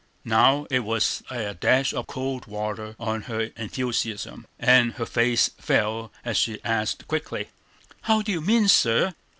Now it was like a dash of cold water on her enthusiasm, and her face fell as she asked quickly: "How do you mean, sir?"